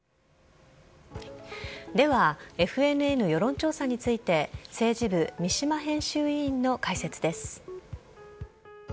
では、ＦＮＮ世論調査について政治部、三嶋編集委員の解説です。